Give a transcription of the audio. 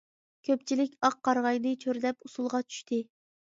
كۆپچىلىك ئاق قارىغاينى چۆرىدەپ ئۇسۇلغا چۈشتى.